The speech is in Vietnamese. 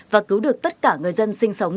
và cứu được tất cả người dân sinh sống